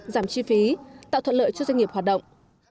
giảm chi phí tạo thuận lợi cho doanh nghiệp hoạt động